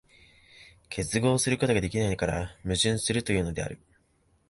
結合することができないから矛盾するというのである。